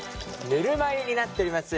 ぬるま湯になっております。